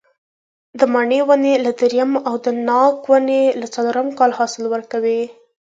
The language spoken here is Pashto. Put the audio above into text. د مڼې ونې له درېیم او د ناک ونې له څلورم کال حاصل ورکوي.